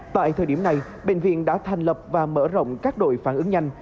tại thời điểm này bệnh viện đã thành lập và mở rộng các đội phản ứng nhanh